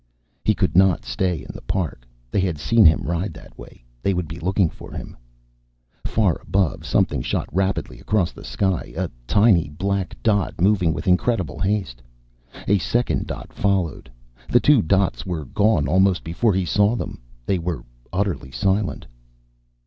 He could not stay in the park. They had seen him ride that way; they would be looking for him. Far above something shot rapidly across the sky. A tiny black dot moving with incredible haste. A second dot followed. The two dots were gone almost before he saw them. They were utterly silent.